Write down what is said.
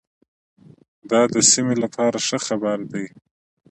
دا د سیمې لپاره ښه خبر دی.